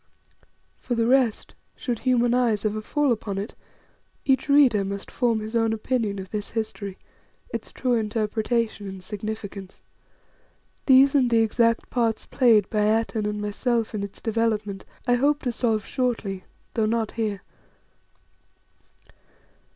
For the rest, should human eyes ever fall upon it, each reader must form his own opinion of this history, its true interpretation and significance. These and the exact parts played by Atene and myself in its development I hope to solve shortly, though not here.